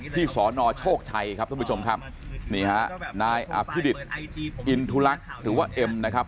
ที่สอนอชโฆชัยครับท่านผู้ชมครับนี่ครับนายอัพพฤดิตอินทุลักษณ์ถือว่าเอ็มนะครับ